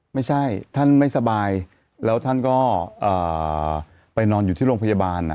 ไม่ใช่ท่านไม่สบายแล้วท่านก็ไปนอนอยู่ที่โรงพยาบาล